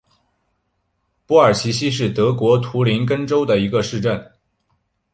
珀尔齐希是德国图林根州的一个市镇。